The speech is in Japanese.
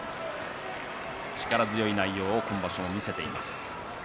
力強い内容を今場所も見せています。